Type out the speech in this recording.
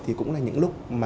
thì cũng là những lúc mà